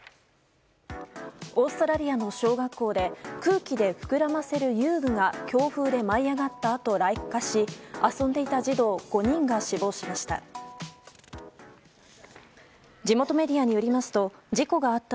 オーストラリアの小学校で空気で膨らませる遊具が強風で舞い上がったあと落下し遊んでいた児童５人が死亡しました。